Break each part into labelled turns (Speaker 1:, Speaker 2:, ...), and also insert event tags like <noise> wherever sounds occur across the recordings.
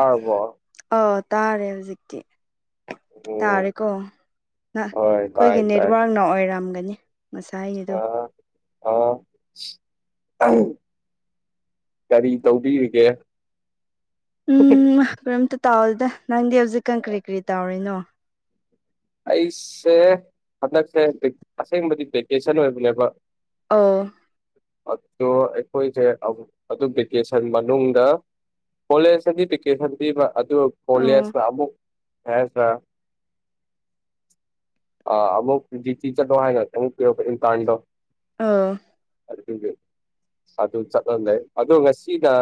Speaker 1: ꯑꯕꯣ
Speaker 2: ꯑꯧ ꯇꯥꯔꯦ ꯍꯧꯖꯤꯛꯇꯤ
Speaker 1: ꯎꯝ
Speaker 2: ꯇꯥꯔꯦꯀꯣ ꯅ
Speaker 1: ꯍꯣꯏ
Speaker 2: ꯑꯩꯈꯣꯏꯒꯤ
Speaker 1: ꯇꯥꯏ ꯇꯥꯏ
Speaker 2: ꯅꯦꯠꯋꯥꯔꯛꯅ ꯑꯣꯏꯔꯝꯒꯅꯤ
Speaker 1: ꯑ
Speaker 2: ꯉꯁꯥꯏꯅꯤꯗꯣ
Speaker 1: ꯑ ꯀꯔꯤ ꯇꯧꯕꯤꯔꯤꯒꯦ
Speaker 2: ꯎꯝ ꯀꯔꯤꯝꯇ ꯇꯥꯎꯗ ꯅꯪꯗꯤ ꯍꯧꯖꯤꯛꯀꯥꯟ ꯀꯔꯤ ꯀꯔꯤ ꯇꯧꯔꯤꯅꯣ
Speaker 1: ꯑꯩꯁꯦ ꯍꯟꯗꯛꯁꯦ ꯑꯁꯦꯡꯕꯗꯤ ꯚꯦꯀꯦꯁꯟ ꯑꯣꯏꯕꯅꯦꯕ
Speaker 2: ꯑꯥ
Speaker 1: ꯑꯣ ꯑꯩꯈꯣꯏꯁꯦ ꯑꯗꯨ ꯚꯦꯀꯦꯁꯟ ꯃꯅꯨꯡꯗ ꯄꯂꯦ ꯑ ꯄꯤꯀꯦꯗꯤ ꯑꯗꯨ
Speaker 2: ꯑꯣ
Speaker 1: ꯈꯣꯂꯦꯁ ꯑꯃꯨꯛ ꯑꯦꯁ ꯑ ꯑꯃꯨꯛ ꯖꯤ ꯆꯤ ꯆꯗ ꯍꯥꯏ ꯑꯛ ꯀ ꯇꯥꯗꯣ
Speaker 2: ꯑꯥ
Speaker 1: ꯎ ꯑꯗꯨ ꯆꯠꯍ ꯂꯩ ꯑꯗꯣ ꯉꯁꯤꯅ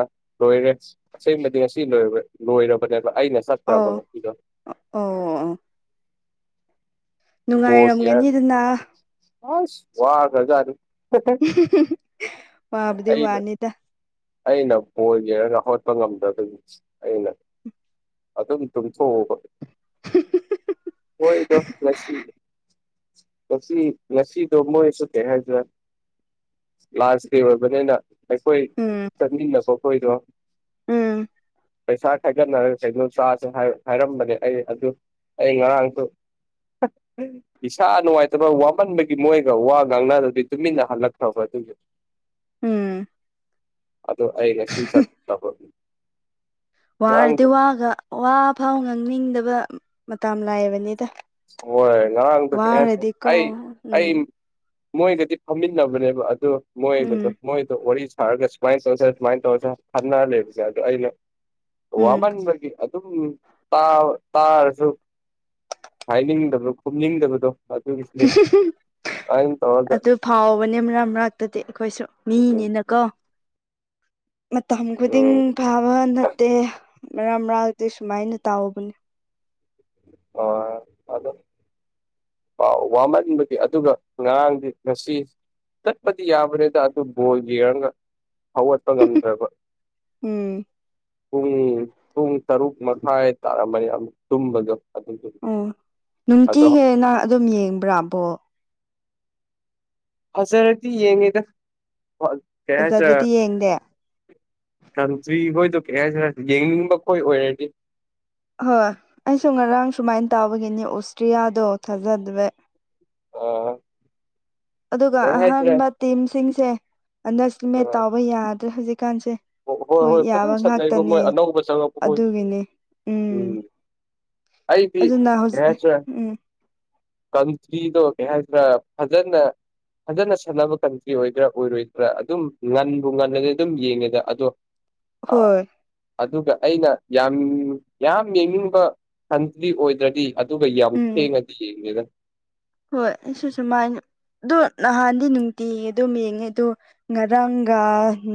Speaker 1: ꯂꯣꯏꯔꯦ ꯑꯁꯦꯡꯕꯗꯤ ꯉꯁꯤ ꯂ ꯂꯣꯏꯔꯕꯅꯦꯅ ꯑꯩꯅ
Speaker 2: ꯑꯧ
Speaker 1: ꯆꯠꯇ꯭ꯔꯕꯗꯣ
Speaker 2: ꯑꯣ ꯑꯣ ꯅꯨꯡꯉꯥꯏꯔꯝꯒꯅꯤꯗꯅ
Speaker 1: ꯑꯁ ꯋꯥꯒꯖꯔꯤ
Speaker 2: ꯋꯥꯗꯤ ꯋꯥꯅꯤꯇ
Speaker 1: ꯑꯩꯅ ꯄꯣꯏꯒꯦꯔꯒ ꯍꯣꯠꯄ ꯉꯝꯗꯕꯅꯤ ꯑꯩꯅ ꯑꯗꯨꯝ ꯇꯨꯡꯊꯣꯛꯎꯕ ꯍꯣꯏ ꯗ ꯉꯁꯤ ꯂ ꯂꯁꯤ ꯗꯃꯣꯁꯨ ꯀꯦꯍꯖ ꯋꯥꯔ ꯂꯥꯖ ꯗꯦ ꯑꯣꯏꯕꯅꯤꯅ ꯑꯩꯈꯣꯏ
Speaker 2: ꯎꯝ
Speaker 1: ꯆꯅꯤ ꯅꯀꯣ ꯀꯣꯏꯗꯣ
Speaker 2: ꯎꯝ
Speaker 1: ꯄꯩꯁꯥ ꯈꯥꯏꯒꯠꯔ ꯍꯥꯏꯔꯝꯕꯅꯦ ꯑꯩ ꯑꯗꯨ ꯑꯩ ꯉꯔꯥꯡꯁꯨ ꯏꯁꯥ ꯅꯨꯡꯉꯥꯏꯇꯕ ꯋꯥꯃꯟꯕꯒꯤ ꯃꯣꯏꯒ ꯋꯥ ꯉꯥꯡꯅꯗꯗꯤ ꯇꯨꯃꯤꯟꯅ ꯍꯜꯂꯛꯈ꯭ꯔꯕꯅꯤ ꯊꯦꯡꯌꯨ
Speaker 2: ꯎꯝ
Speaker 1: ꯑꯗꯣ ꯑꯩ ꯉꯁꯤ ꯁꯠ ꯇꯅꯤ
Speaker 2: ꯋꯥꯔꯗꯤ ꯋꯥꯒ ꯋꯥ ꯐꯥꯎ ꯉꯥꯡꯅꯤꯡꯗꯕ ꯃꯇꯝ ꯂꯥꯏꯑꯕꯅꯤꯗ
Speaker 1: ꯍꯣꯏ ꯉ ꯀꯁ ꯑꯩ
Speaker 2: ꯎꯝ
Speaker 1: ꯑꯩ ꯃꯣꯏꯒꯗꯤ ꯐꯝꯃꯤꯟꯅꯕꯅꯦꯕ ꯑꯗꯨ ꯃꯣꯏꯒꯗꯣ
Speaker 2: ꯎꯝ
Speaker 1: ꯃꯣꯏꯗ ꯋꯥꯔꯤ ꯍꯥꯏꯔꯒ ꯁꯨꯃꯥꯏꯅ ꯇꯧꯁ ꯁꯨꯃꯥꯏꯅ ꯇꯧꯔꯁ ꯈꯟꯅꯔ ꯂꯩꯕꯁꯦ ꯑꯗꯣ ꯑꯩꯅ
Speaker 2: ꯎꯝ
Speaker 1: ꯋꯥꯃꯟꯕꯒꯤ ꯑꯗꯨꯝ ꯇꯥꯔꯁꯨ ꯍꯥꯏꯅꯤꯡꯗꯕꯗꯣ ꯈꯨꯝꯅꯤꯡꯗꯕꯗꯣ ꯑꯗꯨ ꯑꯗꯨꯁ
Speaker 2: ꯑꯗꯨ ꯐꯥꯎꯕꯅꯦ ꯃꯔꯛ ꯃꯔꯛꯇꯗꯤ ꯑꯩꯈꯣꯏꯁꯨ
Speaker 1: ꯎꯝ
Speaker 2: ꯃꯤꯅꯤꯅꯀꯣ ꯃꯇꯝ ꯈꯨꯗꯤꯡ ꯐꯥꯕ ꯅꯠꯇꯦ ꯔꯃ꯭ꯔꯥ ꯑꯒ ꯇꯁꯨꯨꯃꯥꯏꯅ ꯇꯥꯑꯣꯕꯨ
Speaker 1: ꯑ ꯑꯗꯣ ꯋꯥꯃꯟꯕꯗꯤ ꯑꯗꯨꯒ ꯉꯔꯥꯡꯗꯤ ꯉꯁꯤ ꯆꯠꯄꯗꯤ ꯌꯥꯕꯅꯦꯦ ꯇꯇꯨ ꯣꯜ ꯍꯧꯒꯠꯄ ꯉꯝꯗ꯭ꯔꯕ
Speaker 2: ꯎꯝ
Speaker 1: ꯄꯨꯡ ꯄꯨꯡ ꯇꯔꯨꯛ ꯍꯥꯏꯥꯏ ꯇꯥꯔ ꯃꯔꯤꯌꯥꯝ ꯇꯨꯝꯝꯕꯗꯨ
Speaker 2: ꯑꯣ ꯅꯨꯡꯇꯤꯒꯤꯅ ꯑꯗꯨꯝ ꯌꯦꯡꯕ꯭ꯔꯥꯕꯣ
Speaker 1: ꯐꯖꯔꯗꯤ ꯌꯦꯡꯉꯦꯗ ꯀ ꯍꯥꯏꯔ
Speaker 2: ꯐꯖꯗ꯭ꯔꯗꯤ ꯌꯦꯡꯗꯦ
Speaker 1: ꯀꯟꯇ꯭ꯔꯤ ꯍꯣꯏꯗꯣ ꯀ ꯍꯥꯏꯁꯤꯔ ꯌꯦꯡꯅꯤꯡꯕ ꯀꯣꯏ ꯑꯣꯏꯔꯗꯤ
Speaker 2: ꯍꯣꯏ ꯑꯩꯁꯨ ꯉꯔꯥꯡ ꯁꯨꯃꯥꯏꯅ ꯇꯥꯕꯒꯤꯅꯤ ꯑꯣꯁꯇ꯭ꯔꯤꯌꯥꯗꯣ ꯊꯥꯖꯗ꯭ꯔꯦ
Speaker 1: ꯑ
Speaker 2: ꯑꯗꯨꯒ
Speaker 1: ꯀꯩ ꯍꯥꯏꯁꯤꯔꯦ
Speaker 2: ꯑꯍꯥꯟꯕ ꯇꯤꯝꯁꯤꯡꯁꯦ ꯑꯟꯁ ꯃ ꯇꯥꯎꯕ ꯌꯥꯗ꯭ꯔꯦ ꯍꯧꯖꯤꯛ
Speaker 1: ꯑꯣ ꯍꯣꯏ ꯍꯣꯏ ꯐꯖꯅ ꯁꯠꯅꯩꯔꯤꯕ ꯃꯣꯏ ꯑꯅꯧꯕ ꯆꯪꯉꯛꯄꯣꯏ ꯎꯝ ꯑꯩꯗꯤꯤ
Speaker 2: ꯑꯗꯨꯅ
Speaker 1: ꯀꯦ
Speaker 2: ꯍꯧꯖꯤꯛ
Speaker 1: ꯆ
Speaker 2: ꯎꯝ
Speaker 1: ꯀꯟꯇ꯭ꯔꯤꯗꯣ ꯀꯩ ꯍꯥꯏꯗ꯭ꯔꯥ ꯐꯖꯅ ꯐꯖꯅ ꯁꯥꯟꯅꯕ ꯀꯟꯇ꯭ꯔꯤ ꯑꯣꯏꯗ꯭ꯔꯥ ꯑꯣꯏꯔꯣꯏꯗ꯭ꯔꯥ ꯑꯗꯨꯝ ꯉꯟꯕꯨ ꯉꯟꯅꯂꯗꯤ ꯑꯗꯨꯝ ꯌꯦꯡꯉꯦꯗ ꯑꯗꯣ
Speaker 2: ꯍꯣꯏ
Speaker 1: ꯑꯗꯨꯒ ꯑꯩꯅ ꯌꯥꯝ ꯌꯥꯝ ꯌꯦꯡꯅꯤꯡꯕ ꯀꯟꯇ꯭ꯔꯤ ꯑꯣꯏꯗ꯭ꯔꯗꯤ ꯑꯗꯨꯒ ꯌꯥꯝ
Speaker 2: ꯎꯝ
Speaker 1: ꯊꯦꯡꯅꯗꯤ ꯌꯦꯡꯉꯦꯗ
Speaker 2: ꯍꯣꯏ ꯁꯤꯁꯨ ꯃꯥꯥꯏ ꯑꯗꯣ ꯅꯍꯥꯟꯗꯤ ꯅꯨꯡꯇꯤꯡꯉꯦ ꯑꯗꯨꯝ ꯌꯦꯡꯉꯦ ꯑꯗꯣ ꯉꯔꯥꯡꯒ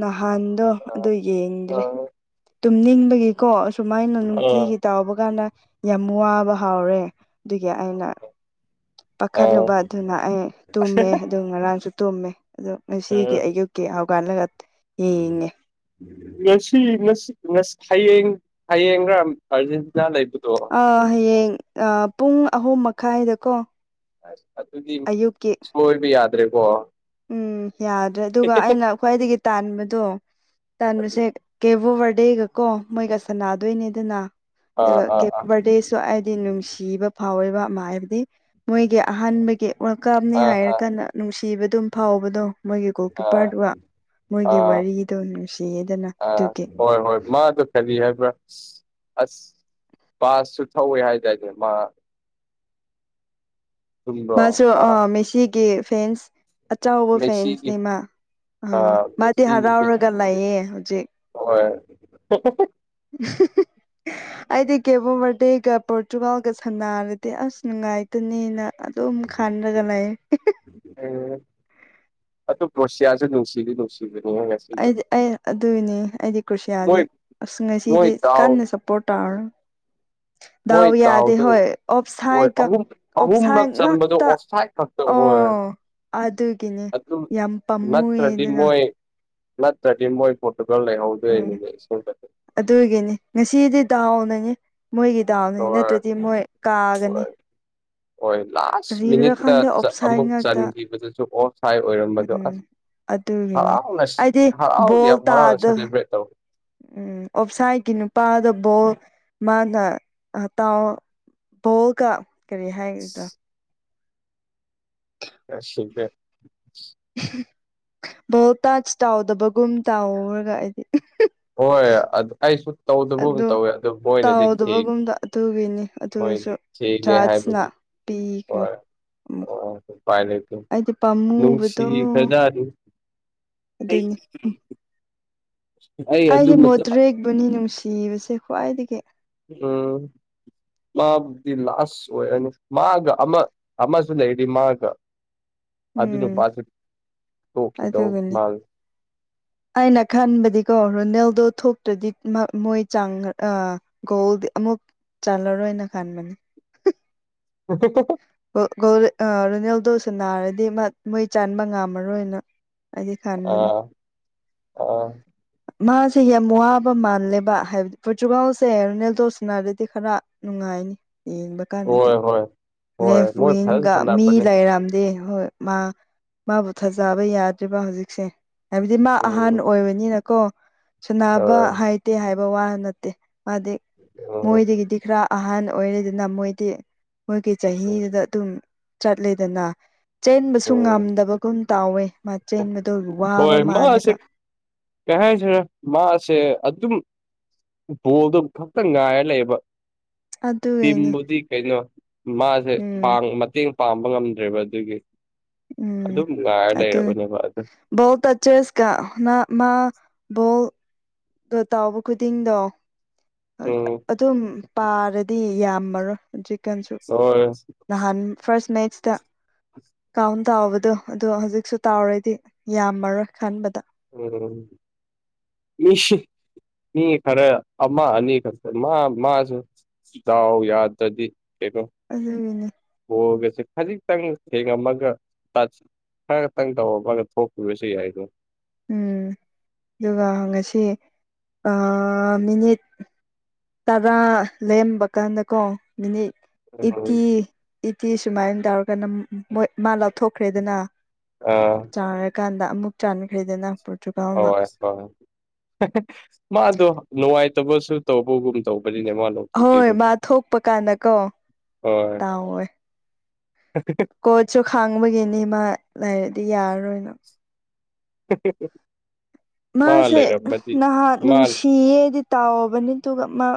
Speaker 2: ꯅꯍꯥꯟ ꯅꯍꯥꯟꯗꯣ
Speaker 1: ꯑ
Speaker 2: ꯑꯗꯨ ꯌꯦꯡꯗ꯭ꯔꯦ
Speaker 1: ꯑ
Speaker 2: ꯇꯨꯝꯅꯤꯡꯕꯒꯤꯀꯣ ꯁꯨꯃꯥꯏꯅ ꯅꯨꯡꯇꯤꯒꯤ ꯇꯥꯎꯕ ꯀꯥꯟꯗ ꯌꯥꯝ ꯋꯥꯕ ꯍꯥꯎꯔꯦ ꯑꯗꯨꯒꯤ ꯑꯩꯅ
Speaker 1: ꯑ
Speaker 2: ꯄꯥꯈꯠꯂꯨꯕ ꯑꯗꯨꯅ ꯑꯩ ꯇꯨꯝꯃꯦ ꯑꯗꯨ ꯉꯔꯥꯡ ꯥꯟ ꯇꯨꯝꯃꯦ ꯑꯗꯣ
Speaker 1: ꯑ
Speaker 2: ꯉꯁꯤꯒꯤ ꯑꯌꯨꯛꯀꯤ ꯍꯧꯀꯜꯂꯒ ꯌꯦꯡꯉꯦ
Speaker 1: ꯉꯁꯤ ꯉꯁꯤꯁꯤ ꯍꯌꯦꯡ ꯍꯌꯦꯡꯒꯔꯥ ꯑꯥꯔꯖꯦꯟ
Speaker 2: ꯑ ꯍꯌꯦꯡ ꯄꯨꯡ ꯑꯍꯨꯝ ꯃꯈꯥꯏꯗꯀꯣ
Speaker 1: ꯑꯁ ꯑꯗꯨꯗꯤ
Speaker 2: ꯑꯌꯨꯛꯀꯤ
Speaker 1: ꯁꯣꯏꯕ ꯌꯥꯗ꯭ꯔꯦꯀꯣ
Speaker 2: ꯎꯝ ꯌꯥꯗ꯭ꯔꯦ ꯑꯗꯨꯒ ꯑꯩꯅ ꯈ꯭ꯋꯥꯏꯗꯒꯤ ꯇꯥꯟꯕꯗꯣ
Speaker 1: ꯑꯗꯨ
Speaker 2: ꯇꯥꯟꯕꯁꯦ ꯀꯦꯕꯣ ꯕꯔꯗꯦꯒ ꯀꯣ ꯃꯣꯏꯒ ꯁꯥꯟꯅꯗꯣꯏꯅꯦ ꯑꯗꯨꯅ
Speaker 1: ꯑꯥ
Speaker 2: ꯑꯗꯨꯒ ꯀꯦ
Speaker 1: ꯑꯥ
Speaker 2: ꯕꯔꯗꯦꯁꯨ ꯍꯥꯏꯗꯤ ꯅꯨꯡꯁꯤꯕ ꯐꯥꯎꯋꯦꯕ ꯑꯃ ꯍꯥꯏꯕꯗꯤ ꯃꯣꯏꯒꯤ ꯑꯍꯥꯟꯕꯒꯤ ꯋꯥꯀꯥꯝꯅꯤ
Speaker 1: ꯑꯥ ꯑꯥ
Speaker 2: ꯍꯥꯏꯔꯀꯥꯟꯗ ꯅꯨꯡꯁꯤꯕꯗꯨꯝ ꯐꯥꯎꯕꯗꯣ ꯃꯣꯏꯒꯤ
Speaker 1: ꯑꯥ
Speaker 2: ꯀꯣꯜꯀꯤꯄꯥꯔꯠ ꯋꯥ ꯃꯣꯏꯒꯤ
Speaker 1: ꯑꯥ ꯑꯥ
Speaker 2: ꯋꯥꯔꯤꯗꯣ ꯅꯨꯡꯁꯤꯌꯦꯗꯅ ꯑꯗꯨꯒꯤ
Speaker 1: ꯐꯔꯤ ꯍꯥꯏꯕ꯭ꯔꯥ ꯑꯁ ꯑꯁ ꯄꯥꯁꯁꯨ ꯊꯧꯋꯦ ꯍꯥꯏꯇꯥꯔꯗꯤ ꯃꯥ ꯆꯨꯝꯕ꯭ꯔꯣ
Speaker 2: ꯃꯥꯁꯨ
Speaker 1: ꯃꯥ
Speaker 2: ꯑ ꯃꯦꯁꯤꯒꯤ ꯐꯦꯟꯁ ꯑꯆꯕ
Speaker 1: ꯃꯦꯁꯤꯒꯤ
Speaker 2: ꯐꯦꯟꯁꯅꯦꯃ ꯑꯥ ꯃꯥꯗꯤ ꯍꯔꯥꯎꯔꯒ ꯂꯩꯌꯦ ꯍꯧꯖꯤꯛ
Speaker 1: ꯍ <inaudible>
Speaker 2: ꯑꯩꯗꯤ ꯀꯦꯕꯣ ꯕꯔꯗꯦꯒ ꯄꯣꯔꯇꯨꯒꯥꯜꯒ ꯁꯥꯟꯅꯔꯗꯤ ꯑꯁ ꯅꯨꯡꯉꯥꯏꯇꯅꯦꯅ ꯑꯗꯨ ꯑꯗꯨ ꯈꯥꯟꯗꯒ ꯂꯩꯑ
Speaker 1: ꯑ ꯇ ꯄ꯭ꯔꯣꯁꯤꯌꯥꯁꯦ ꯅꯅꯨꯡꯁꯤꯕꯤ ꯅꯅꯨꯡꯁꯤꯜ
Speaker 2: ꯑꯩ ꯑꯗꯨ ꯏꯅꯦꯗꯤ ꯀ꯭ꯔꯨꯁꯤꯌꯥꯁꯦ
Speaker 1: ꯃꯣꯏ
Speaker 2: ꯑꯁ
Speaker 1: ꯃꯣꯏ
Speaker 2: ꯉꯁꯤꯗꯤ
Speaker 1: ꯗꯥꯎ
Speaker 2: ꯀꯟꯅ ꯁꯞꯄꯣꯔꯠ ꯇꯧꯔꯔꯣꯏ
Speaker 1: <inaudible> ꯃꯣꯏ ꯗꯥꯎꯗꯨ
Speaker 2: ꯍꯣꯏ
Speaker 1: ꯍꯣꯏ
Speaker 2: ꯑꯣꯞꯁꯥꯏꯠꯀ
Speaker 1: ꯑꯍꯨꯝ ꯑꯍꯨꯝꯂ
Speaker 2: ꯑꯣꯞꯁꯥꯏꯠ
Speaker 1: ꯆꯟꯕꯗꯣ
Speaker 2: ꯉꯥꯛꯇ
Speaker 1: ꯑꯣꯞꯁꯥꯏꯠ ꯈꯛꯇ ꯑꯣꯏ
Speaker 2: ꯑꯣ ꯑꯗꯨꯒꯤꯅꯦ
Speaker 1: ꯑꯗꯨꯝ
Speaker 2: ꯌꯥꯝ ꯄꯥꯝꯃꯨꯌꯦ
Speaker 1: ꯅꯠꯇ꯭ꯔꯗꯤ
Speaker 2: ꯑꯗꯨꯅ
Speaker 1: ꯃꯣꯏ ꯅꯠꯇ꯭ꯔꯗꯤ ꯃꯣꯏ ꯄꯣ ꯇꯨꯞꯂꯥꯡ ꯂꯩꯥꯏ ꯍꯥꯎ
Speaker 2: ꯎꯝ
Speaker 1: ꯂꯩꯔꯏꯅꯅꯦ ꯁꯖꯦ
Speaker 2: ꯑꯗꯨꯒꯤꯅꯤ ꯉꯁꯤꯗꯤ ꯗꯥꯎꯅꯅꯤ ꯃꯣꯏꯒꯤ ꯗꯥꯎꯅꯤ ꯅꯠꯇ꯭ꯔꯗꯤ ꯃꯣꯏ ꯀꯥꯒꯅꯤ
Speaker 1: ꯍꯣꯏ ꯍꯣꯏ ꯂꯥꯁ
Speaker 2: ꯀꯔꯤꯒꯤꯔꯥ
Speaker 1: ꯃꯤꯅꯤꯠꯇ
Speaker 2: ꯈꯪꯗꯦ ꯑꯣꯞꯁꯥꯏꯠ
Speaker 1: ꯑꯃꯨꯛ
Speaker 2: ꯉꯥꯛꯇ
Speaker 1: ꯆꯟꯈꯤꯕꯗꯨꯁꯨ ꯑꯣ ꯁꯥꯏ ꯑꯣꯏꯔꯝꯕꯗꯣ
Speaker 2: ꯎꯝ
Speaker 1: ꯑꯁ
Speaker 2: ꯑꯗꯨꯒꯤꯅꯤ
Speaker 1: ꯍꯔꯅꯦ ꯁꯤ
Speaker 2: ꯑꯩꯗꯤ
Speaker 1: ꯍꯔꯥꯎꯗꯤ
Speaker 2: ꯕꯣꯜ
Speaker 1: ꯍꯔꯑꯣꯅꯦ
Speaker 2: ꯇꯥꯗ
Speaker 1: ꯁꯕ꯭ꯔꯦꯇꯧ
Speaker 2: ꯎꯝ ꯑꯣꯞꯁꯥꯏꯒꯤ ꯅꯨꯄꯥꯗꯕꯣ ꯃꯥꯅ ꯇꯥꯎ ꯕꯣꯜꯒ ꯀꯔꯤ ꯍꯥꯏꯒꯗ꯭ꯔꯥ
Speaker 1: ꯑ ꯁꯤꯗ
Speaker 2: ꯚꯣ ꯇꯥꯖ ꯇꯥꯎꯗꯕꯒꯨꯝ ꯇꯥꯎꯔꯒ ꯍꯥꯏꯗꯤ
Speaker 1: <inaudible> ꯍꯣꯏ ꯑꯗꯨ ꯑꯩꯁꯨ ꯇꯧꯗꯕ ꯑꯃ ꯇꯧꯋꯦ ꯑꯗꯨ ꯃꯣꯏꯅꯗꯤ ꯊꯤ
Speaker 2: ꯇꯥꯎꯗꯕꯒꯨꯝꯗ ꯑꯗꯨꯒꯤꯅꯤ
Speaker 1: ꯃꯣꯏꯗꯤ ꯊ ꯍꯥꯏꯕ
Speaker 2: ꯄ
Speaker 1: ꯑ ꯐꯥꯏ ꯂꯩꯠꯇ ꯂꯅꯨꯡꯁꯤ
Speaker 2: ꯄꯥꯝꯃꯨꯕꯗꯣ
Speaker 1: ꯐꯖ ꯑꯗꯨ ꯑꯩ
Speaker 2: ꯑꯗꯨꯅꯤ
Speaker 1: ꯑꯗꯨ
Speaker 2: ꯑꯩꯗꯤ
Speaker 1: ꯃꯇꯝ
Speaker 2: ꯃꯣꯗ꯭ꯔꯤꯛꯕꯨꯅꯤ ꯅꯨꯡꯁꯤꯕꯁꯦ ꯈ꯭ꯋꯥꯏꯗꯒꯤ
Speaker 1: ꯑꯝ ꯃꯥꯕꯨꯗꯤ ꯂꯥꯁ ꯑꯣꯏꯔꯅꯤ ꯃꯥꯒ ꯑꯃ ꯑꯃꯁꯨ ꯂꯩꯔꯗꯤ ꯃꯥꯒ ꯑꯗꯨꯅ
Speaker 2: ꯎꯝ
Speaker 1: ꯄꯥꯊ
Speaker 2: ꯑꯗꯨꯒꯅꯤ ꯑꯩꯅ ꯈ ꯑꯗꯨꯗꯤꯀꯣ ꯔꯣꯅꯦꯜꯗꯣ ꯊꯣꯛꯇ꯭ꯔꯗꯤ ꯃꯣꯏ ꯆꯥꯡ ꯒꯣꯜꯗꯤ ꯑꯃꯨꯛ ꯆꯜꯂꯔꯣꯏꯅ ꯈꯟꯕꯅꯤ
Speaker 1: ꯎꯝ
Speaker 2: ꯔꯨꯅꯦꯜꯗꯣꯁꯨ ꯅꯥꯔꯗꯤ ꯃꯣꯏ ꯆꯕ ꯉꯝꯃꯔꯣꯏꯅ ꯑꯩꯗꯤ ꯈꯟꯕꯅꯤ
Speaker 1: ꯑꯥ ꯑꯥ
Speaker 2: ꯃꯥꯁꯦ ꯌꯥꯝ ꯋꯥꯕ ꯃꯥꯜꯂꯦꯕ ꯍꯥꯏꯕꯗꯤ ꯄꯣꯔꯇꯨꯒꯥꯜꯁꯦ ꯔꯣꯅꯦꯜꯗꯣꯁꯤꯅꯗꯗꯤ ꯈꯔ ꯅꯨꯡꯉꯥꯏꯅꯤ ꯌꯦꯡꯕ ꯀꯥꯟꯗꯗꯤ
Speaker 1: ꯍꯣꯏ ꯍꯣꯏ ꯍꯣꯏ
Speaker 2: ꯂꯦꯐ
Speaker 1: ꯃꯣꯏ ꯐꯖꯅ
Speaker 2: ꯋꯤꯡꯒ ꯃꯤ
Speaker 1: ꯁꯥꯟꯅꯕꯅꯦ
Speaker 2: ꯂꯩꯔꯝꯗꯦ ꯑꯦ ꯍꯣꯏ ꯃꯥ ꯃꯥꯕꯨ ꯊꯥꯖꯕ ꯌꯥꯗ꯭ꯔꯤꯕ ꯍꯧꯖꯤꯛꯁꯦ ꯍꯥꯏꯕꯗꯤ ꯃꯥ
Speaker 1: ꯎꯝ
Speaker 2: ꯑꯍꯥꯟ ꯑꯣꯏꯕꯅꯤꯅꯀꯣ ꯁꯨꯅꯕ
Speaker 1: ꯍꯣꯏ
Speaker 2: ꯍꯥꯏꯇꯦ ꯍꯥꯏꯕ ꯋꯥ ꯅꯠꯇꯦ ꯃꯥ
Speaker 1: ꯎꯝ
Speaker 2: ꯃꯣꯏꯗꯒꯤꯗꯤ ꯈꯔ ꯑꯍꯥꯟ ꯑꯣꯏꯔꯦꯗꯅ ꯃꯣꯏꯗꯤ ꯃꯣꯏꯒꯤ ꯆꯍꯤꯗꯨꯗ ꯑꯗꯨꯝ ꯆꯠꯂꯦꯗꯅ ꯆꯦꯟꯕꯁꯨ
Speaker 1: ꯎꯝ
Speaker 2: ꯉꯝꯗꯕꯒꯨꯝ ꯇꯥꯎꯋꯦ ꯃꯥ ꯆꯦꯟꯕꯗ ꯑꯣꯏꯕ ꯋꯥꯕ ꯃꯥꯜꯂꯒ
Speaker 1: ꯀꯥꯏꯁ ꯃꯥꯁꯦ ꯑꯗꯨꯝ ꯕꯣꯜꯗꯣ ꯈꯛꯇꯪ ꯉꯥꯏꯔ ꯂꯩꯌꯦꯕ
Speaker 2: ꯑꯗꯨꯒꯤꯅꯤ
Speaker 1: ꯇꯤꯝꯕꯨꯗꯤ ꯀꯩꯅꯣ ꯃꯥꯁꯦ
Speaker 2: ꯎꯝ
Speaker 1: ꯃꯇꯦꯡ ꯄꯥꯡꯕ ꯉꯝꯗ꯭ꯔꯦꯕ ꯑꯗꯨꯒꯤ ꯑꯗꯨꯝ ꯉꯥꯏꯔ ꯂꯩꯔꯕꯅꯦꯕ
Speaker 2: ꯣꯜ ꯇꯠꯆꯦꯁ ꯀ ꯅ ꯃꯥ ꯣꯜ ꯣ ꯇꯥꯎꯕ ꯈꯨꯗꯤꯡꯗꯣ
Speaker 1: ꯎꯝ
Speaker 2: ꯑꯗꯨꯝ ꯄꯥꯔꯗꯤ ꯌꯥꯝꯃꯔꯣꯏ ꯆꯤꯛꯀꯟꯁꯨ
Speaker 1: ꯍꯣꯏ
Speaker 2: ꯅꯍꯥꯟ ꯐꯥꯔꯁ ꯃꯦꯠ ꯀꯥꯎꯟ ꯇꯥꯎꯕꯗꯣ ꯑꯗꯣ ꯍꯧꯖꯤꯛꯁꯨ ꯇꯥꯎꯔꯗꯤ ꯌꯥꯝꯃꯔꯣꯏ ꯈꯟꯕꯗ
Speaker 1: ꯎꯝ ꯃꯤꯁ ꯃꯤ ꯈꯔꯦ ꯑꯃ ꯑꯅꯤ ꯈꯔ ꯃꯥ ꯃꯥꯁꯨ ꯌꯥꯗꯥꯎ ꯌꯥꯗ꯭ꯔꯗꯤ ꯀꯩꯅꯣ
Speaker 2: ꯑꯗꯨꯒꯤꯅꯤ
Speaker 1: ꯍꯒꯁꯦ ꯈꯖꯤꯛꯇꯪ ꯊꯦꯡꯉꯝꯃꯒ ꯇ ꯈ ꯈꯛꯇꯪ ꯇꯧꯑꯣ ꯃꯥꯒ ꯊꯣꯛꯄꯤꯕ ꯁꯤ ꯌꯥꯏꯗꯣ
Speaker 2: ꯎꯝ ꯑꯗꯨꯒ ꯉꯁꯤ ꯃꯤꯅꯤꯠ ꯇꯔꯥ ꯂꯩꯔꯝꯕ ꯀꯥꯟꯗ ꯀꯣ ꯃꯤꯅꯤꯠ ꯏꯇꯤ ꯏꯇꯤ ꯁꯨꯃꯥꯏꯅ ꯇꯧꯔꯒꯅ ꯃꯣꯏ ꯃꯥ ꯂꯥꯞꯊꯣꯛꯈ꯭ꯔꯦꯗꯅ
Speaker 1: ꯑꯥ
Speaker 2: ꯆꯥꯔꯀꯥꯟꯗ ꯑꯃꯨꯛ ꯆꯥꯟꯅꯈꯩꯗꯅ
Speaker 1: ꯍꯣꯏ ꯍꯣꯏ ꯃꯥꯗꯣ ꯅꯨꯡꯉꯥꯏꯇꯕꯁꯨ ꯇꯧꯕꯒꯨꯝ ꯇꯧꯕ ꯅꯦꯃꯜꯣ ꯄ
Speaker 2: ꯍꯣꯏ
Speaker 1: ꯄꯨ
Speaker 2: ꯃꯥ ꯊꯣꯛꯄ ꯀꯥꯟꯗꯀꯣ
Speaker 1: ꯍ
Speaker 2: ꯇꯥꯎꯋꯦ ꯀꯣꯠꯁꯨ ꯈꯥꯡꯕꯒꯤꯅꯤ ꯃꯥ ꯂꯩꯥꯏꯔꯗꯤ ꯌꯥꯔꯔꯣꯏꯅ
Speaker 1: ꯁꯦ
Speaker 2: ꯃꯥꯁꯦ ꯅꯍꯥꯟ
Speaker 1: ꯃꯥ
Speaker 2: ꯅꯨꯡꯁꯤꯌꯦꯗꯤ ꯇꯥꯎꯕꯅꯤ ꯑꯗꯨꯒ ꯃꯥ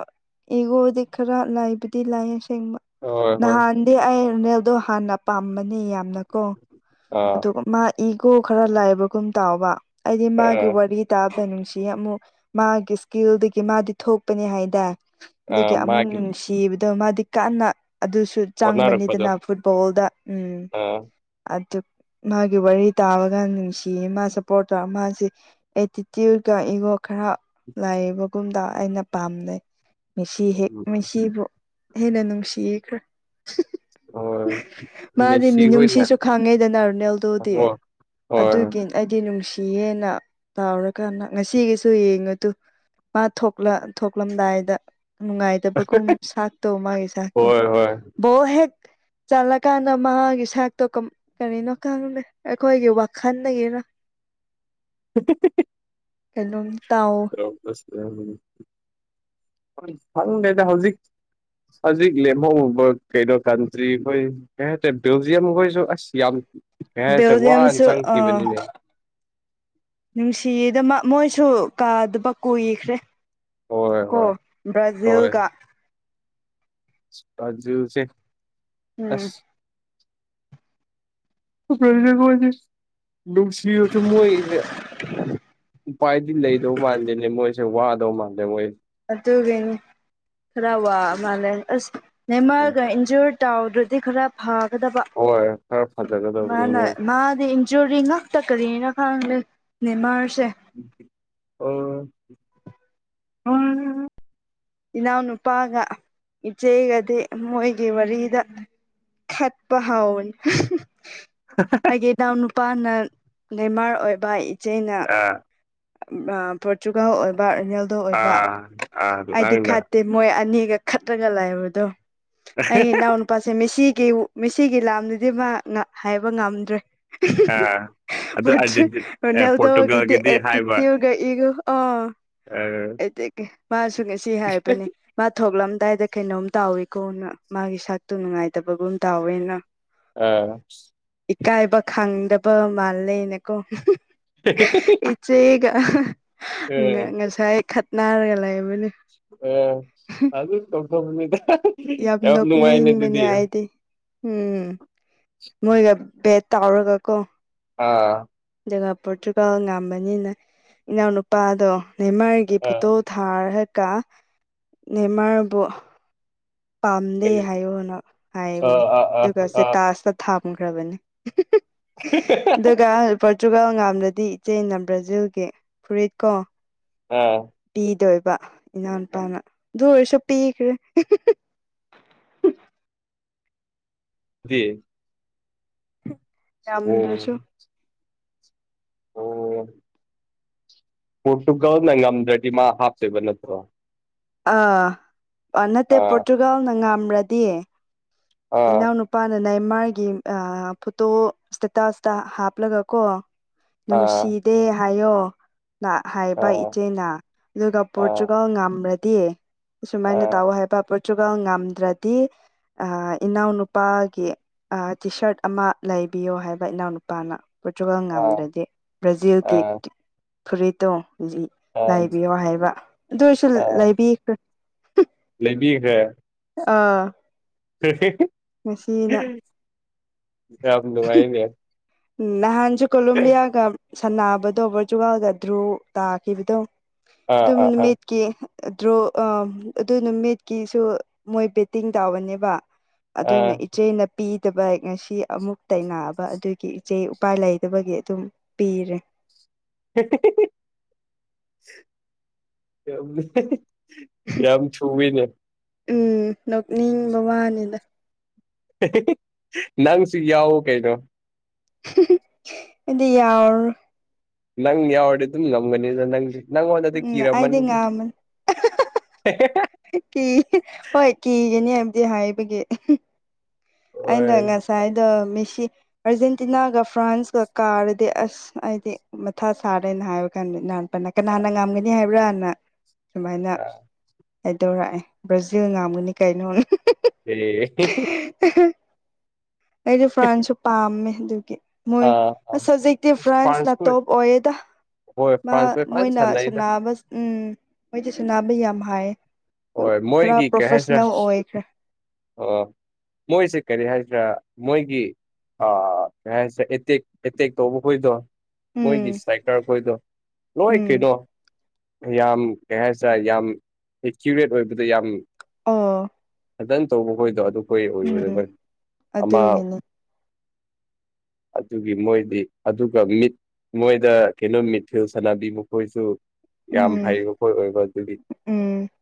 Speaker 2: ꯏꯒꯣꯗꯤ ꯈꯔ ꯂꯥꯏꯕꯗꯤ ꯂꯥꯏ ꯕ
Speaker 1: ꯍꯣꯏ ꯍꯣꯏ
Speaker 2: ꯅꯍꯥꯟꯗꯤ ꯑꯩꯅꯦꯜꯗꯣ ꯍꯥꯟꯅ ꯄꯥꯝꯕꯅꯤ ꯌꯥꯝꯅꯀꯣ
Speaker 1: ꯑꯥ
Speaker 2: ꯑꯗꯨꯒ ꯃꯥ ꯏꯒꯣ ꯈꯔ ꯂꯥꯏꯕꯒꯨꯝ ꯇꯥꯎꯕ ꯍꯥꯏꯗꯤ ꯃꯥꯒꯤ
Speaker 1: ꯑꯥ
Speaker 2: ꯋꯥꯔꯤ ꯇꯥꯕ ꯁꯤ ꯑꯃꯨꯛ ꯃꯥꯒꯤ ꯏꯁꯀꯤꯜꯗꯒꯤ ꯃꯥꯗꯤ ꯊꯣꯛꯄꯅꯤ ꯍꯥꯏꯗ ꯑꯗꯨꯒꯤ
Speaker 1: ꯑꯥ
Speaker 2: ꯑꯃꯨꯛ
Speaker 1: ꯃꯥꯒꯤ
Speaker 2: ꯅꯨꯡꯁꯤꯕꯗꯣ ꯃꯥꯗꯤ ꯀꯟꯅ ꯑꯗꯨꯁꯨ
Speaker 1: ꯍꯣꯠꯅꯔꯛꯄꯗꯣ
Speaker 2: ꯆꯪꯕꯅꯤꯗꯅ ꯐꯨꯠꯕꯣꯜꯗ ꯎꯝ
Speaker 1: ꯑꯥ
Speaker 2: ꯑꯗꯨ ꯃꯥꯒꯤ ꯋꯥꯔꯤ ꯇꯥꯕꯒ ꯅꯨꯡꯁꯤꯌꯦ ꯃꯥ ꯁꯞꯄꯣꯔꯠ ꯇꯧꯔꯒ ꯃꯥꯁꯦ ꯑꯦꯇꯤꯇ꯭ꯌꯨꯠꯀ ꯏꯒꯣ ꯈꯔ ꯂꯥꯏꯕꯒꯨꯝꯗ ꯑꯩꯅ ꯄꯥꯝꯅꯩ ꯃꯤꯁꯤ ꯍꯦꯛ ꯃꯤꯁꯤꯕꯨ ꯍꯦꯅꯦ ꯅꯅꯨꯡꯁꯤꯦꯈ꯭ꯔ
Speaker 1: ꯍꯣꯏ
Speaker 2: ꯃꯥꯗꯤ
Speaker 1: ꯃꯦꯁꯤ ꯍꯣꯏꯅ
Speaker 2: ꯃꯤꯅꯨꯡꯁꯤꯁꯨ ꯈꯥꯡꯉꯦꯗꯅ ꯗꯤ
Speaker 1: ꯍꯣꯏ ꯍꯣꯏ
Speaker 2: ꯑꯗꯨꯒꯤ ꯑꯩꯗꯤ ꯅꯨꯡꯁꯤꯌꯦꯦꯅ ꯇꯥꯎꯔꯀꯥꯟꯗ ꯉꯁꯤꯒꯤꯁꯨ ꯌꯦꯡꯉ ꯑꯗꯨ ꯃꯥ ꯊꯣꯛꯂ ꯊꯣꯛꯂꯝꯗꯥꯏꯗ ꯅꯨꯡꯉꯥꯏꯇꯕꯒꯨꯝ ꯁꯥꯛꯇꯣ ꯃꯥꯒꯤ ꯆꯥꯛꯇꯣ
Speaker 1: ꯍꯣꯏ ꯍꯣꯏ
Speaker 2: ꯕꯣ ꯍꯦꯛ ꯆꯠꯂꯀꯥꯟꯗ ꯃꯥꯒꯤ ꯁꯥꯛꯇꯣ ꯀꯔꯤꯅꯣ ꯈꯪꯗꯦ ꯑꯩꯈꯣꯏꯒꯤ ꯋꯥꯈꯜꯗꯒꯤꯅ
Speaker 1: <inaudible>
Speaker 2: ꯀꯂꯣꯝ
Speaker 1: ꯐꯪꯗꯦꯗ ꯍꯧꯖꯤꯛ ꯍꯧꯖꯤꯛ ꯂꯦꯝꯍꯧꯕ ꯀꯩꯅꯣ ꯀꯟꯇ꯭ꯔꯤ ꯍꯣꯏ ꯀꯩ ꯍꯥꯏꯇꯥꯔꯦ ꯕꯦꯜꯖꯤꯌꯝꯈꯣꯏꯁꯨ ꯑꯁ ꯌꯥꯝ ꯀꯦꯆ ꯋꯥ
Speaker 2: ꯕꯦꯜꯖꯤꯌꯝꯁꯨ
Speaker 1: ꯆꯪ ꯊꯤꯕꯅꯤꯅꯦ
Speaker 2: ꯅꯨꯡꯁꯤꯗ ꯃꯣꯏꯁꯨ ꯀꯥꯗꯕ ꯀꯨꯏꯈ꯭ꯔꯦ
Speaker 1: ꯍꯣꯏ
Speaker 2: ꯀꯣ
Speaker 1: ꯍꯣꯏ
Speaker 2: ꯕ꯭ꯔꯖꯤꯜꯒ
Speaker 1: ꯖꯁ
Speaker 2: ꯎꯝ
Speaker 1: ꯀꯣꯏ ꯂꯅꯨꯡ ꯁꯤ ꯑꯣ ꯆ ꯃꯣꯏꯁꯦ ꯎꯄꯥꯏꯗꯤ ꯂꯩꯗꯧ ꯃꯥꯟꯗꯦꯅꯦ ꯃꯣꯏꯁꯦ ꯋꯥꯗꯧ ꯃꯜꯂꯦ ꯃꯣꯏ
Speaker 2: ꯑꯗꯨꯒꯤꯅꯤ ꯈꯔ ꯋꯥ ꯃꯥꯜꯂꯦ ꯑꯁ
Speaker 1: ꯎꯝ
Speaker 2: ꯅꯦꯃꯥꯒ ꯏꯟꯖꯣꯔ ꯆꯥꯎꯗ꯭ꯔꯗꯤ ꯈꯔ ꯐꯒꯗꯕ
Speaker 1: ꯍꯣꯏ ꯈꯔ ꯐꯖꯒꯗꯕꯅꯤ
Speaker 2: ꯃꯥꯅ
Speaker 1: ꯃꯣꯏ
Speaker 2: ꯃꯥꯗꯤ ꯖꯨꯔꯤ ꯉꯥꯛꯇ ꯀꯔꯤꯅ ꯈꯪꯗꯦꯃꯔꯁ
Speaker 1: ꯑꯣ
Speaker 2: ꯏꯅꯥꯎꯅꯨꯄꯥꯒ ꯏꯆꯦꯒꯗꯤ ꯃꯣꯏꯒꯤ ꯋꯥꯔꯤꯗ ꯈꯠꯄ ꯍꯥꯎꯟ ꯑꯩꯒꯤ ꯏꯅꯥꯎ ꯅꯨꯄꯥꯅ ꯅꯦꯃꯥꯔ ꯑꯣꯏꯕ ꯏꯆꯦꯅ
Speaker 1: ꯑꯥ
Speaker 2: ꯑ ꯄꯣꯔꯇꯨꯒꯜ ꯑꯣꯏꯕ ꯅꯦꯗ ꯑꯣꯏꯕ
Speaker 1: ꯑꯥ ꯑꯥ
Speaker 2: ꯑꯩꯗꯤ
Speaker 1: ꯅꯪꯅ
Speaker 2: ꯈꯠꯇꯦ ꯃꯣꯏ ꯑꯅꯤꯒ ꯈꯠꯇ꯭ꯔꯒ ꯂꯥꯛꯑꯦꯕꯗꯣ ꯑꯩ ꯏꯅꯥꯎ ꯅꯨꯄꯥꯁꯦ ꯃꯦꯁꯤ ꯃꯤꯁꯤꯒꯤ ꯂꯥꯝꯗꯗꯤ ꯃꯥ ꯍꯥꯏꯕ ꯉꯝꯗ꯭ꯔꯦ
Speaker 1: ꯑꯥ ꯑꯗꯨ ꯑꯥꯔꯖꯦꯟꯇꯤ
Speaker 2: ꯃ <inaudible>
Speaker 1: ꯑꯦ
Speaker 2: ꯅꯦꯜꯗꯒꯦ
Speaker 1: ꯄꯣꯔꯇꯨꯒꯜꯒꯤꯗꯤ ꯍꯥꯏꯕ
Speaker 2: ꯇꯊꯤꯔꯒ ꯑꯩꯒ ꯑ
Speaker 1: ꯑꯥ
Speaker 2: ꯃꯥꯁꯨ ꯉꯁꯤ ꯍꯥꯏꯕꯅꯦ ꯃꯥ ꯊꯣꯛꯂꯝ ꯀꯗꯥꯏꯗ ꯀꯩꯅꯣꯝ ꯇꯥꯎꯏꯀꯣꯅ ꯃꯥꯒꯤ ꯁꯥꯛꯇꯨ ꯅꯨꯡꯉꯥꯏꯇꯕꯒꯨꯝ ꯑꯃ ꯇꯥꯎꯋꯦꯅ
Speaker 1: ꯑꯥ
Speaker 2: ꯀꯥꯏꯕ ꯈꯥꯡꯗꯕ ꯃꯥꯜꯂꯦꯅꯀꯣ
Speaker 1: <inaudible>
Speaker 2: ꯏꯆꯦꯒ ꯉꯁꯥꯏ ꯈꯠꯅꯔꯒ ꯂꯩ
Speaker 1: ꯑꯣ ꯑꯗꯨ ꯀꯄꯗ <inaudible>
Speaker 2: ꯌꯥꯝ ꯅꯣꯛꯅ ꯍꯤꯡꯕꯅꯦ ꯑꯩꯗꯤ ꯎꯝ ꯃꯣꯏꯣꯏꯒ ꯦꯠꯇ ꯑꯣꯔꯒ ꯀꯣ
Speaker 1: ꯑꯥ
Speaker 2: ꯖꯒꯥ ꯄꯣꯔꯇꯨꯒꯜ ꯉꯝꯕꯅꯤꯅ ꯏꯅꯥꯎꯅꯨꯄꯥꯗꯣ ꯅꯦꯃꯥꯔꯒꯤ
Speaker 1: ꯑꯥ
Speaker 2: ꯐꯣꯇꯣ ꯊꯥꯔꯒ ꯅꯦꯃꯥꯔꯕꯨ ꯄꯥꯝꯗꯦ
Speaker 1: ꯀꯔꯤ
Speaker 2: ꯍꯥꯏꯌꯣꯅ ꯍꯥꯏꯕꯅꯤ
Speaker 1: ꯑꯥ ꯑꯥ ꯑꯥ
Speaker 2: ꯑꯗꯨꯒ
Speaker 1: ꯑꯥ
Speaker 2: ꯆꯦꯇꯥꯁꯇ ꯊꯝꯈ꯭ꯔꯕꯅꯤ ꯑꯗꯨꯒꯄ ꯑꯗꯨꯒ ꯉꯝꯗꯗꯤ ꯏꯆꯦꯅ ꯕ꯭ꯔꯥꯖꯤꯜꯒꯤ ꯐꯨꯔꯤꯠ ꯀꯣ
Speaker 1: ꯑꯥ
Speaker 2: ꯄꯤꯗꯣꯏꯕ ꯏꯅꯥꯎꯅꯨꯄꯥꯅ ꯗꯨꯑꯣꯏꯁꯨ ꯄꯤꯈ꯭ꯔꯦ
Speaker 1: ꯍ <inaudible> ꯑꯣꯝ
Speaker 2: ꯌꯥꯝꯗ꯭ꯔꯁꯨ
Speaker 1: <inaudible> ꯑꯣ ꯄꯨꯔꯠꯇꯨꯀꯅ ꯉꯝꯗ꯭ꯔꯗꯤ ꯃꯥ ꯍꯥꯞꯇꯣꯏꯕ ꯅꯠꯇ꯭ꯔꯣ
Speaker 2: ꯑꯥ ꯅꯠꯇꯦ
Speaker 1: ꯑꯥ
Speaker 2: ꯄꯣꯔꯇꯨꯒꯥꯜꯅ ꯉꯝ꯭ꯔꯗꯤꯌꯦ
Speaker 1: ꯑꯥ
Speaker 2: ꯏꯎꯅꯄꯥꯅꯅ ꯃꯥꯥꯏꯒꯤ ꯐꯣꯇꯣ ꯏꯁꯇꯥꯁꯇꯥ ꯍꯥꯞꯂꯒ ꯀꯣ
Speaker 1: ꯑꯥ
Speaker 2: ꯅꯨꯡꯁꯤꯗꯦ ꯍꯥꯏꯌꯣ ꯍꯥꯏꯕ
Speaker 1: ꯑꯥ
Speaker 2: ꯏꯆꯦꯅ ꯑꯗꯨꯒ
Speaker 1: ꯑꯥ
Speaker 2: ꯄꯣꯔꯇꯨꯒꯜ ꯉꯝꯃ꯭ꯔꯗꯤ ꯑꯨꯃꯥꯏꯅ
Speaker 1: ꯑꯥ
Speaker 2: ꯇꯧꯑꯣ ꯍꯥꯏꯕ ꯄꯣꯔꯇꯨꯒꯜ ꯉꯝꯗ꯭ꯔꯗꯤ ꯏꯅꯥꯎꯅꯨꯄꯥꯒꯤ ꯇꯤꯁꯥꯔꯠ ꯑꯃ ꯂꯩꯕꯤꯌꯣ ꯍꯥꯏꯕ ꯏꯅꯥꯎꯅꯨꯄꯥꯅ ꯄꯣꯔꯇꯨꯒꯥꯜ
Speaker 1: ꯑꯥ
Speaker 2: ꯉꯝꯗ꯭ꯔꯗꯤ ꯕ꯭ꯔꯥꯖꯤꯜꯒꯤ
Speaker 1: ꯑꯥ
Speaker 2: ꯐꯨꯔꯤꯇꯣ ꯍꯧꯖꯤꯛ
Speaker 1: ꯑꯥ
Speaker 2: ꯂꯥꯏꯕꯤꯌꯣ ꯍꯥꯏꯕ ꯑꯗꯨ ꯑꯣꯏꯁꯨ
Speaker 1: ꯑꯥ
Speaker 2: ꯂꯩꯕꯤꯈ꯭ꯔ
Speaker 1: ꯂꯩꯕꯤꯈ꯭ꯔꯦ
Speaker 2: ꯑꯥ
Speaker 1: ꯍꯥ ꯍꯦ ꯍꯥ
Speaker 2: ꯉꯁꯤꯅ
Speaker 1: ꯌꯥꯝ ꯅꯨꯡꯉꯥꯏꯅꯦ
Speaker 2: ꯎꯝ ꯅꯍꯥꯟꯁꯨ ꯀꯣꯂꯣꯕꯤꯌꯥꯒ ꯁꯥꯟꯕꯗꯣ ꯄꯣꯔꯆꯨꯒꯥꯜꯒ ꯙ꯭ꯔꯨ ꯇꯥꯈꯤꯕꯗꯣ
Speaker 1: ꯑꯥ
Speaker 2: ꯑꯗꯨꯝ
Speaker 1: ꯑꯥ ꯑꯥ
Speaker 2: ꯃꯦꯠꯀꯤ ꯗ꯭ꯔꯣ ꯑꯗꯨ ꯅꯨꯃꯤꯠꯀꯤꯁꯨ ꯃꯣꯏ ꯕꯦꯠꯇꯤꯡ ꯇꯥꯕꯅꯦꯕ
Speaker 1: ꯑꯥ
Speaker 2: ꯑꯗꯨꯅ ꯏꯆꯦꯅ ꯄꯤꯗꯕ ꯉꯁꯤ ꯑꯃꯨꯛ ꯇꯩꯅꯑꯕ ꯑꯗꯨꯒꯤ ꯏꯆꯦ ꯎꯄꯥꯏ ꯂꯩꯗꯕꯒꯤ ꯑꯗꯨꯝ ꯄꯤꯔꯦ
Speaker 1: ꯍꯦ ꯍꯦ ꯍꯦ ꯌꯥꯝꯌꯥꯝ ꯊꯨꯋꯤꯅꯦ
Speaker 2: ꯎꯝ ꯅꯣꯛꯅꯤꯡꯕ ꯋꯥꯅꯤꯗ
Speaker 1: ꯍꯦ ꯍꯦ ꯍꯦ ꯅꯪꯁꯨ ꯌꯥꯎꯎ ꯀꯩꯅꯣ
Speaker 2: ꯍꯨꯝ ꯍꯨꯝ ꯑꯩꯗꯤ ꯌꯥꯎꯔ
Speaker 1: ꯅꯪ ꯌꯥꯎꯦ ꯑꯗꯨꯝ ꯅꯒꯅꯤꯗ ꯅꯪꯗꯤ ꯅꯪꯉꯣꯟꯗ ꯑꯗꯨ
Speaker 2: ꯎꯝ ꯑꯩꯗꯤ
Speaker 1: ꯀꯤꯔꯝꯃꯅꯤ
Speaker 2: ꯉꯥꯝꯃꯅꯤ ꯀꯤ ꯍꯣꯏ ꯀꯤꯒꯅꯤ ꯍꯥꯏꯕꯗꯤ ꯍꯥꯏꯕꯒꯤ ꯑꯩꯅ
Speaker 1: ꯍꯣꯏ
Speaker 2: ꯉꯁꯥꯏꯗ ꯃꯤꯦꯁꯤ ꯑꯔꯖꯦꯟꯇꯤꯅꯥꯒ ꯐ꯭ꯔꯥꯟꯁꯀ ꯀꯥꯔꯗꯤ ꯑꯁ ꯑꯩꯗꯤ ꯃꯊꯥ ꯁꯥꯔꯦꯅ ꯍꯥꯏꯕ ꯀꯥꯟꯗ ꯅꯍꯥꯟꯄꯟꯅ ꯀꯅꯥ ꯍꯅ ꯉꯝꯒꯅꯤ ꯍꯥꯏꯕ꯭ꯔꯥꯅ ꯁꯨꯃꯥꯏꯅ ꯀꯩꯗꯧꯔꯛꯑꯦ ꯕ꯭ꯔꯥꯖꯤꯜ ꯉꯥꯝꯒꯅꯤ ꯀꯩꯅꯣ
Speaker 1: ꯑꯦ
Speaker 2: ꯑꯩꯗꯤ ꯐ꯭ꯔꯥꯟꯁꯨ ꯄꯥꯝꯃꯦ ꯑꯗꯨꯒꯤ
Speaker 1: ꯑꯥ
Speaker 2: ꯃꯣꯏ
Speaker 1: ꯑꯥ
Speaker 2: ꯁꯖꯤꯛꯇꯤ ꯐ꯭ꯔꯥꯟꯁ ꯅꯅꯥꯇꯞ ꯑꯣꯏꯦꯗ
Speaker 1: ꯍꯣꯏ ꯐ꯭ꯔꯥꯟꯁ ꯈꯣꯏ ꯐꯖꯅ
Speaker 2: ꯃꯣꯏꯅ
Speaker 1: ꯁꯥꯟꯅꯩꯗ
Speaker 2: ꯁꯕ ꯎꯝ ꯃꯣꯏꯁꯦ ꯁꯨꯕ ꯌꯥꯝ ꯍꯥꯏ
Speaker 1: ꯍꯣꯏ ꯃꯣꯏꯒꯤ ꯀꯩ ꯍꯥꯏꯁꯤꯔꯥ ꯑꯣ ꯃꯣꯏꯁꯦ ꯀꯔꯤ ꯍꯥꯏꯗ꯭ꯔꯥ ꯃꯣꯏꯒꯤ ꯑ ꯀꯔꯤ ꯍꯥꯏꯁꯤꯒꯦ ꯑꯦꯇꯦꯛ ꯇꯧꯕꯥ ꯍꯣꯏꯗꯣ ꯃꯣꯏꯒꯤ
Speaker 2: ꯎꯝ
Speaker 1: ꯁꯥꯏꯀꯔꯈꯣꯏꯗꯣ ꯂꯣꯏ
Speaker 2: ꯎꯝ
Speaker 1: ꯀꯩꯅꯣ ꯌꯥꯝ ꯀꯩ ꯍꯥꯏꯇꯥꯔꯦ ꯌꯥꯝ ꯑꯦꯀ꯭ꯌꯨꯔꯦꯠ ꯑꯣꯏꯕꯗ ꯌꯥꯝ
Speaker 2: ꯑꯥ
Speaker 1: ꯗꯟ ꯇꯧꯕ ꯈꯣꯏꯗꯣ ꯑꯗꯨꯈꯣꯏ ꯑꯣꯏꯔꯔꯦꯣꯏ ꯑꯃ
Speaker 2: ꯑꯗꯨꯒꯤꯅꯤ
Speaker 1: ꯑꯗꯨꯒꯤ ꯃꯣꯏꯗꯤ ꯑꯗꯨꯒ ꯃꯤꯠ ꯃꯣꯏꯗ ꯀꯩꯅꯣ ꯃꯤꯊꯤꯜ ꯁꯥꯟꯅꯕꯤ ꯃꯈꯣꯏꯁꯨ ꯌꯥꯝ
Speaker 2: ꯎꯝ
Speaker 1: ꯍꯩꯔꯤꯕꯈꯣꯏ ꯑꯣꯏꯕ ꯑꯗꯨꯗꯤ
Speaker 2: ꯃ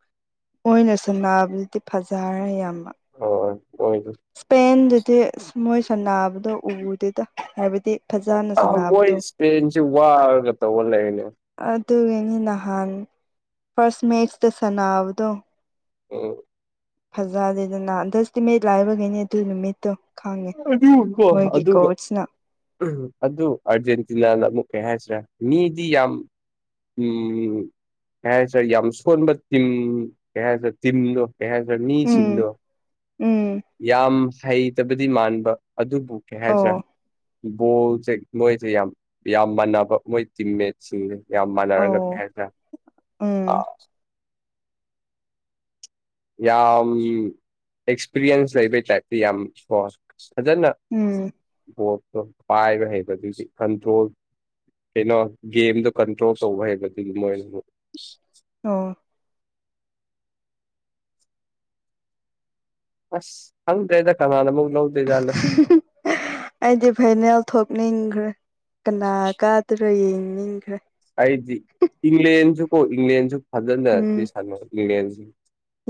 Speaker 2: ꯑꯣꯏꯅ ꯁꯦꯅꯥꯕꯗꯨꯗꯤ ꯐꯖꯔꯦ ꯌꯥꯝ
Speaker 1: ꯍꯣꯏ ꯃꯣꯏꯗꯨ
Speaker 2: ꯏꯁꯄꯦꯟꯗꯨꯗꯤ ꯃꯣꯏꯁ ꯅꯥꯕꯗ ꯎꯗꯦꯗ ꯍꯥꯏꯕꯗꯤ ꯐꯖꯅ
Speaker 1: ꯑ ꯃꯣꯏ
Speaker 2: ꯁꯥꯟꯅꯕꯗꯣ
Speaker 1: ꯏꯁꯄꯦꯟꯁꯤ ꯋꯥꯔꯒ ꯇꯧꯕ ꯂꯩꯅꯦ
Speaker 2: ꯑꯗꯨꯒꯤꯅꯤ ꯅꯍꯥꯟ ꯐꯥꯔꯁ ꯃꯦꯁꯇ ꯁꯥꯟꯕꯗꯣ
Speaker 1: ꯑꯣ
Speaker 2: ꯐꯖꯗꯦꯗꯅ ꯗꯁꯇꯤꯃꯤꯠ ꯂꯥꯏꯕꯒꯤꯅꯦ ꯑꯗꯨ ꯅꯨꯃꯤꯠꯇꯣ ꯈꯪꯉꯦ
Speaker 1: ꯍ ꯑꯗꯨꯒ
Speaker 2: ꯃꯣꯏꯒꯤ ꯀꯣꯆꯅ
Speaker 1: ꯑꯗꯨ ꯑꯗꯨ ꯑꯔꯖꯦꯟꯦꯟꯇꯤꯅꯥ ꯑꯃꯨꯛ ꯀꯔꯤ ꯍꯦꯁꯔ ꯃꯤꯗꯤ ꯌꯥꯝ ꯌ ꯎꯝ ꯀꯩ ꯍꯥꯏ ꯁꯥꯔꯦ ꯌꯥꯝ ꯁꯣꯟꯕ ꯇꯤꯝ ꯀꯩ ꯍꯥꯏꯇꯥꯔꯦ ꯇꯤꯝꯗꯣ ꯀꯩ ꯍꯥꯏꯈ꯭ꯔꯦ
Speaker 2: ꯎꯝ
Speaker 1: ꯃꯤꯁꯤꯡꯗꯣ
Speaker 2: ꯎꯝ
Speaker 1: ꯌꯥꯝ ꯍꯩꯇꯕꯗꯤ ꯃꯥꯟꯕ ꯑꯗꯨꯕꯨ ꯀꯩ
Speaker 2: ꯑꯣ
Speaker 1: ꯍꯥꯏꯁꯤꯔ ꯕꯣꯜꯁꯦ ꯃꯣꯏꯁꯨ ꯌꯥꯝ ꯌꯥꯝ ꯃꯥꯟꯅꯕ ꯃꯣꯏ ꯇꯤꯝꯃꯦꯠꯁꯤꯡꯅꯤ ꯌꯥꯝ ꯃꯥꯟꯅꯔꯒ
Speaker 2: ꯑꯧ
Speaker 1: ꯄꯁꯦ
Speaker 2: ꯎꯝ
Speaker 1: ꯑꯥ ꯌꯥꯝ ꯑꯦꯛꯁꯄꯤꯔꯤꯌꯦꯟꯁ ꯂꯩꯕ ꯆ ꯌꯥꯝ ꯐꯖꯅ
Speaker 2: ꯎꯝ
Speaker 1: ꯚꯣꯠꯇꯣ ꯄꯥꯏꯕ ꯍꯩꯕꯗꯨꯗꯤ ꯀꯟꯇ꯭ꯔꯣꯜ ꯀꯩꯅꯣ ꯒꯦꯝꯗꯣ ꯀꯟꯇ꯭ꯔꯣꯜ ꯇꯧꯕ ꯍꯩꯕꯗꯨꯒꯤ ꯃꯣꯏꯅ ꯑꯃ
Speaker 2: ꯑꯣ
Speaker 1: ꯑꯁ ꯍꯪ ꯀꯩꯗ ꯀꯅꯥꯅ ꯃꯛ ꯂꯧꯧꯕꯗ ꯌꯥꯂ
Speaker 2: ꯑꯩꯗꯤ ꯐꯥꯏꯅꯦꯜ ꯊꯣꯛꯅꯤꯡꯈ꯭ꯔꯦ ꯀꯅꯥ ꯀꯥꯗꯔꯣ ꯌꯦꯡꯅꯤꯡꯈ꯭ꯔꯦ
Speaker 1: ꯑꯩꯗꯤ ꯏꯪꯂꯦꯟꯁꯨ ꯀꯣ ꯏꯪꯂꯦꯟꯁꯨ ꯐꯖꯅ
Speaker 2: ꯎꯝ
Speaker 1: ꯑꯗꯨ ꯁꯥꯟꯅ ꯏꯪꯂꯦꯟꯁꯤ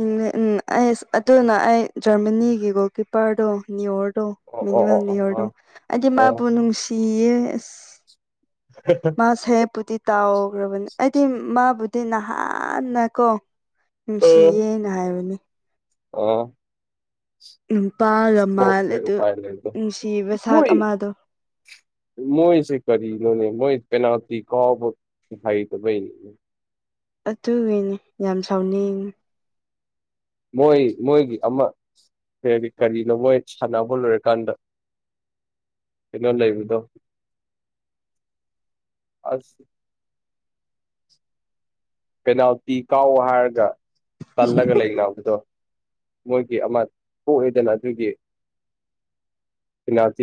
Speaker 2: ꯎꯝ ꯑꯩꯁ ꯑꯗꯨꯅ ꯑꯩ ꯖꯔꯃꯅꯤꯒꯤꯒꯣ ꯀꯤꯄꯔꯗꯣ ꯅꯤꯌꯣꯔꯗꯣ
Speaker 1: ꯑꯣ ꯑꯣ ꯑꯣ
Speaker 2: ꯃꯨꯋꯦꯜ
Speaker 1: ꯑꯣ ꯑꯣ
Speaker 2: ꯅꯤꯌꯣꯔꯗꯣ ꯍꯥꯏꯗꯤ
Speaker 1: ꯑꯣ
Speaker 2: ꯃꯥꯕꯨ ꯅꯨꯡꯁꯤ ꯄ ꯑꯦꯁ ꯃꯥꯁ ꯍꯦ ꯄꯨꯇ ꯇꯥꯎꯈ꯭ꯔꯕꯅꯦ ꯑꯩꯗꯤ ꯃꯥꯕꯨꯗꯤ ꯅꯍꯥꯟꯅ ꯀꯣ ꯅꯨꯡꯁꯤꯌꯦꯅ ꯍꯥꯏꯕꯅꯦ
Speaker 1: ꯑ
Speaker 2: ꯅꯨꯄꯥꯒ ꯃꯥꯜꯂꯦ ꯑꯗꯨ
Speaker 1: ꯈꯥꯏ ꯂꯩꯗ
Speaker 2: ꯅꯨꯡꯁꯤꯕ
Speaker 1: ꯍ
Speaker 2: ꯁꯥꯛ ꯑꯃꯗꯣ
Speaker 1: ꯃꯣꯏꯁꯦ ꯀꯔꯤ ꯂꯅꯦ ꯃꯣꯏ <unintelligible>
Speaker 2: ꯑꯗꯨꯒꯤꯅꯦ ꯌꯥꯝ ꯁꯥꯎꯅꯤꯡꯉ
Speaker 1: ꯃꯣꯏꯣꯏ ꯃꯣꯏꯣꯏꯒꯤ ꯑꯃ ꯍꯥꯏꯗꯤ ꯀꯔꯤꯅꯣ ꯃꯣꯏ ꯁꯥꯟꯅꯕ ꯂꯣꯏꯔꯀꯥꯟꯗ ꯀꯩꯅꯣ ꯂꯩꯗ ꯑꯁ ꯀꯅꯥꯎꯇꯤ ꯀꯥꯎ ꯍꯥꯏꯔꯒ ꯇꯜꯂꯒ ꯂꯩꯅ ꯑꯗꯨꯗꯣ ꯃꯣꯏꯒꯤ ꯑꯃ ꯊꯣꯛꯂꯏꯗꯅ ꯑꯗꯨꯒꯤꯅꯥꯇꯤ